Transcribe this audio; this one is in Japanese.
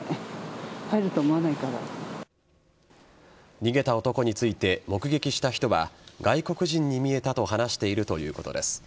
逃げた男について目撃した人は外国人に見えたと話しているということです。